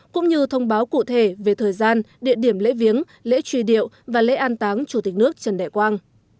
cũng như thông báo cụ thể về thời gian địa điểm lễ viếng lễ truy điệu và lễ an táng chủ tịch nước trần đại quang